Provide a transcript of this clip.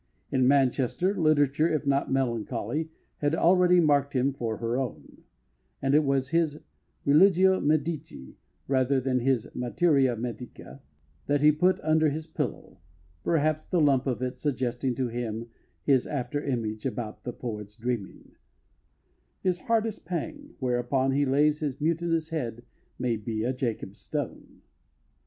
In Manchester, Literature, if not Melancholy, had already marked him for her own; and it was his Religio Medici rather than his Materia Medica that he put under his pillow, perhaps the lump of it suggesting to him his after image about the poet's dreaming: The hardest pang whereon He lays his mutinous head may be a Jacob's stone.